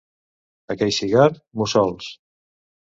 A Queixigar, mussols.